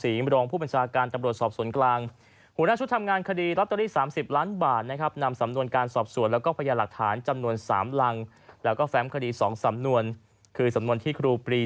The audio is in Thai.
หรือรองผู้บัญชาการตำรวจสอบส่วนกลางเข้าหญ้าชุดทำงานคดีรอตเตอรี่